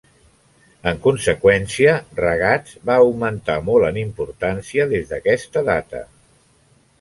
En conseqüència, Ragatz va augmentar molt en importància des d'aquesta data.